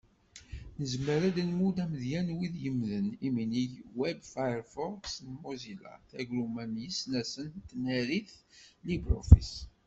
Nezmer ad d-nmudd amedya n wid yemmden: Iminig Web Firefox n Mozilla, tagrumma n yisnasen n tnarit LibreOffice.